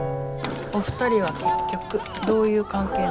お二人は結局どういう関係なんですか？